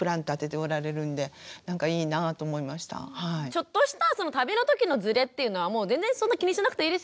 ちょっとした旅の時のずれっていうのはもう全然そんな気にしなくていいですよね。